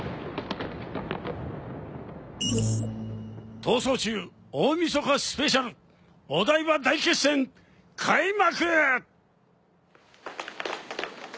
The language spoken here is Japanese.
「逃走中大みそかＳＰお台場大決戦！」開幕！